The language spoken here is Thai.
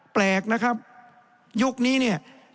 แสดงว่าความทุกข์มันไม่ได้ทุกข์เฉพาะชาวบ้านด้วยนะ